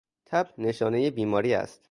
تب نشانهی بیماری است.